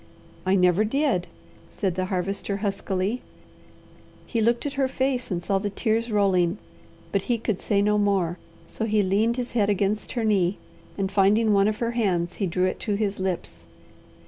"I never did," said the Harvester huskily. He looked at her face and saw the tears rolling, but he could say no more, so he leaned his head against her knee, and finding one of her hands he drew it to his lips.